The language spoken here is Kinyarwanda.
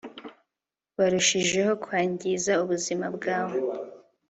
barushijeho kwangiza ubuzima bwawe